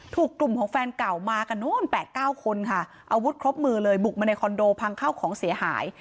ถูกกลุ่มของแฟนเก่ามากันนู้น๘๙คนค่ะอาวุธครบมือเลยบุกมาในคอนโดพังข้าวของเสียหาย